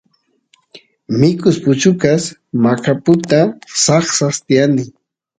mikus puchukas maqaputa saksaqa tiyani